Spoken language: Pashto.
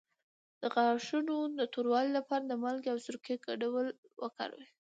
د غاښونو د توروالي لپاره د مالګې او سرکې ګډول وکاروئ